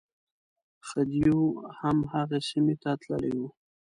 خدیو هم هغې سیمې ته تللی و.